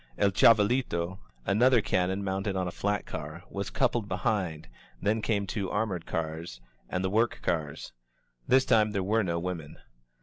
"El Chavalito," an other cannon mounted on a flat K;ar, was coupled behind, then came two armored cars, and the work cars. This time there were no women.